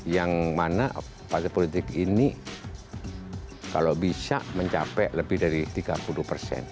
yang mana partai politik ini kalau bisa mencapai lebih dari tiga puluh persen